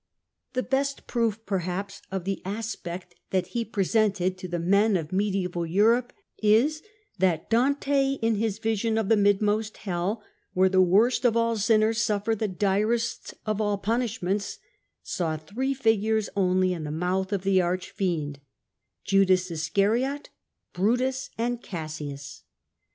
The best proof, perhaps, of the aspect that he presented to the men of medieval Europe is that Dante, in his vision of the midmost hell, where the worst of all sinners suffer the direst of all punishments, saw three figures only in the mouth of the arch fiend — Judas Iscariot, Brutus, and Cassius.